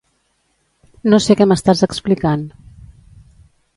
No sé què m'estàs explicant.